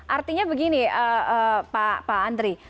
artinya begini pak andri